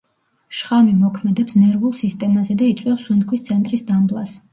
შხამი მოქმედებს ნერვულ სისტემაზე და იწვევს სუნთქვის ცენტრის დამბლას.